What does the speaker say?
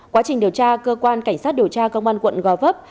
quá trình điều tra cơ quan cảnh sát điều tra công an quận gò vấp